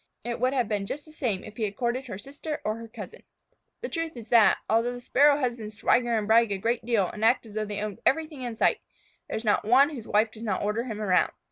It would have been just the same if he had courted her sister or her cousin. The truth is that, although the Sparrow husbands swagger and brag a great deal and act as though they owned everything in sight, there is not one whose wife does not order him around.